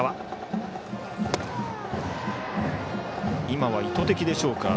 今は意図的でしょうか。